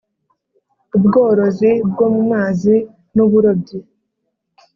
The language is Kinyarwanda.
ubworozi bwo mu mazi n uburobyi